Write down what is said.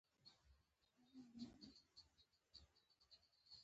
یو زورواکۍ پاچا مو رامنځته کړ.